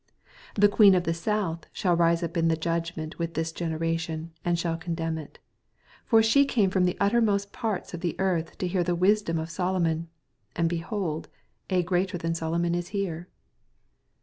42 Tne queen of the soath shall rise ap in the jadgment with this generation, and shall condemn it : for she came from the uttermost parts of the earth to hear the wisdom of Solo mon: and, behold, a greater than Solomon it hero.